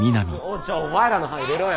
じゃあお前らの班入れろよ。